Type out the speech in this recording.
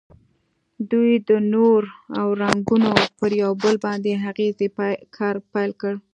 دوی د نور او رنګونو پر یو بل باندې اغیزې کار پیل کړ.